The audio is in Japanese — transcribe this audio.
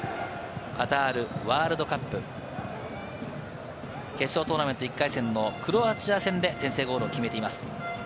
カタールワールドカップ、決勝トーナメント１回戦のクロアチア戦で先制ゴールを決めています。